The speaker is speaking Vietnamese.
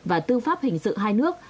và tư pháp hình sự hai nước